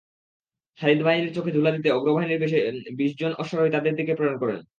খালিদ বাহিনীর চোখে ধুলা দিতে অগ্রবাহিনীর বেশে বিশজন অশ্বারোহী তাদের দিকে প্রেরণ করেন।